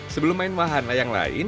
sebelum main wahana yang lain